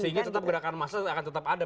sehingga tetap berakan masa akan tetap ada